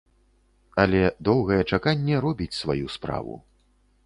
Але доўгае чаканне робіць сваю справу.